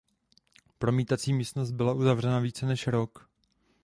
Promítací místnost byla uzavřena více než rok.